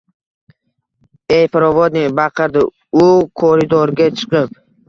Ey, provodnik! – baqirdi u koridorga chiqib: